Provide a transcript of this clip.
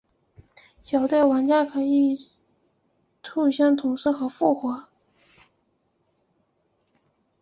小队玩家可以互相重生和复活。